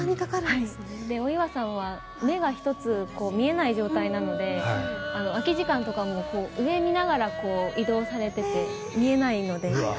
お岩さんは目が１つ見えない状態なので空き時間とかも上を見ながら移動されていて見えないので。